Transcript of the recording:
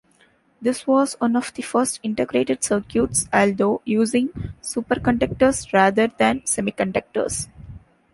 This was one of the first integrated circuits, although using superconductors rather than semiconductors.